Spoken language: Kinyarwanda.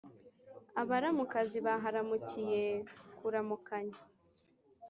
abaramukazi baharamukiye kuramukanya